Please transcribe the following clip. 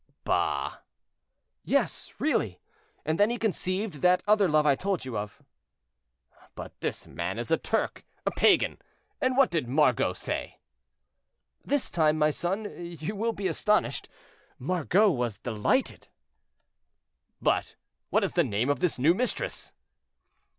"Bah!" "Yes, really, and then he conceived that other love I told you of." "But this man is a Turk—a Pagan. And what did Margot say?" "This time, my son, you will be astonished. Margot was delighted." "But what is the name of this new mistress?"